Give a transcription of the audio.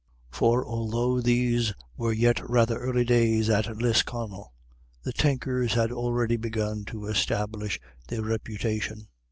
For although these were yet rather early days at Lisconnel, the Tinkers had already begun to establish their reputation.